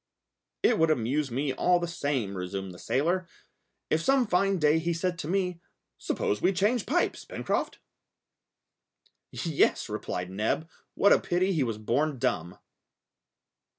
"It would amuse me all the same," resumed the sailor, "if some fine day he said to me, 'Suppose we change pipes, Pencroft.'" "Yes," replied Neb, "what a pity he was born dumb!"